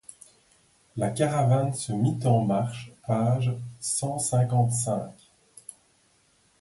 La caravane se mit en marche, page cent cinquante-cinq.